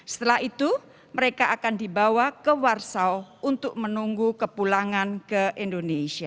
setelah itu mereka akan dibawa ke warsau untuk menunggu kepulangan ke indonesia